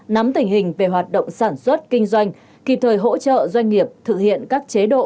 nắm tình hình về hoạt động sản xuất kinh doanh kịp thời hỗ trợ doanh nghiệp thực hiện các chế độ